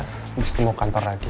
habis ketemu kantor lagi